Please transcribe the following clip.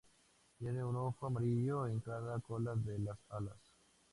Tiene un "ojo" amarillo en cada cola de las alas.